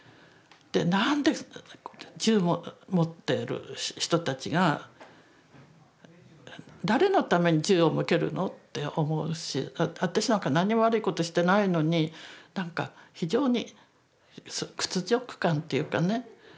なんで銃持ってる人たちが誰のために銃を向けるのって思うし私なんか何にも悪いことしてないのになんか非常に屈辱感っていうかね